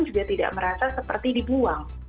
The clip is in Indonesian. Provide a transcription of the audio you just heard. juga tidak merasa seperti dibuang